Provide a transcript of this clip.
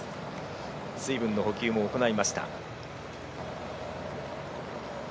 水分の補給も行いました。